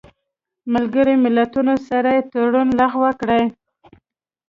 ملګرو ملتونو سره یې تړون لغوه کړی